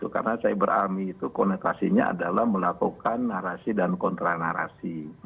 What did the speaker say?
karena cyber army itu konektasinya adalah melakukan narasi dan kontra narasi